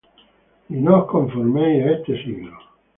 Y no os conforméis á este siglo;